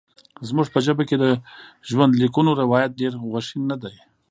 زموږ په ژبه کې د ژوندلیکونو روایت ډېر غوښین نه دی.